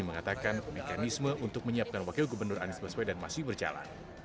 mengatakan mekanisme untuk menyiapkan wakil gubernur anies baswedan masih berjalan